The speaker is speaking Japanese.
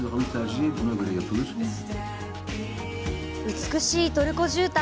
美しいトルコ絨毯。